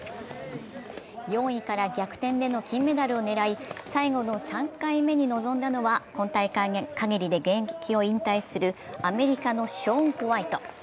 ４位から逆転での金メダルを狙い、最後の３回目に臨んだのは今大会限りで現役を引退するアメリカのショーン・ホワイト。